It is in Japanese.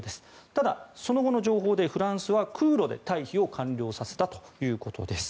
ただ、その後の情報でフランスは空路で退避を完了させたということです。